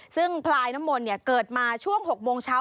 ซึ่งพลายน้ำมนต์เกิดมาช่วง๖โมงเช้า